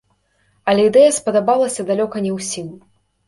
Але ідэя спадабалася далёка не ўсім.